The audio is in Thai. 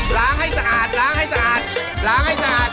ล้างให้สะอาดล้างให้สะอาด